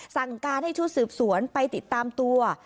สั่งการให้ชุดสืบสวนไปติดตามตัว